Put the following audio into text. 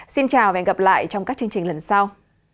xin chào và hẹn gặp lại trong các chương trình lần sau